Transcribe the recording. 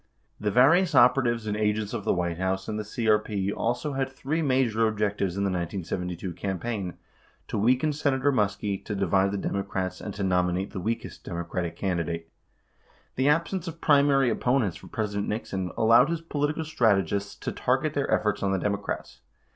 The various operatives and agents of the White House and the CEP also had three major objectives in the 1972 campaign : to weaken Senator Muskie, to divide the Democrats, and to nominate the weakest Democratic can didate. The absence of primary opponents for President Nixon allowed his political strategists to target their efforts on the Democrats.